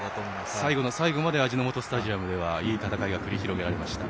最後の最後まで味の素スタジアムではいい戦いが繰り広げられました。